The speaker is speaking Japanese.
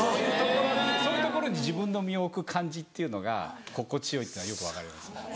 そういうところに自分の身を置く感じっていうのが心地よいっていうのはよく分かります。